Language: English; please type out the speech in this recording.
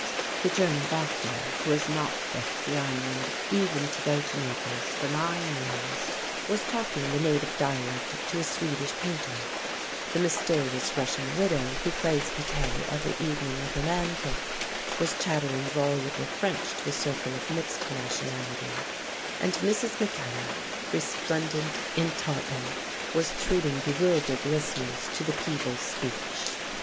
The German doctor, who has not left the island, even to go to Naples, for nine years, was talking the native dialect to a Swedish painter ; the mysterious Russian widow who plays picquet every evening with her man cook was chattering voluble French to a circle of mixed nationality; and Mrs. Mackellar, resplendent in tartan, was treating bewildered listeners to the Peebles speech.